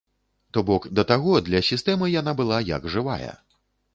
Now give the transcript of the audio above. То бок, да таго для сістэмы яна была як жывая!